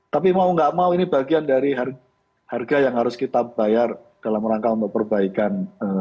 tapi mau nggak mau ini bagian dari harga yang harus kita bayar dalam rangka untuk perbaikan